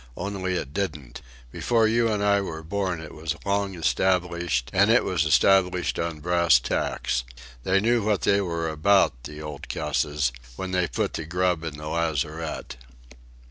Only it didn't. Before you and I were born it was long established and it was established on brass tacks. They knew what they were about, the old cusses, when they put the grub in the lazarette."